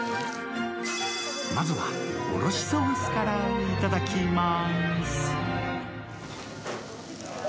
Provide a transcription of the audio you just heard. まずは、おろしソースから頂きます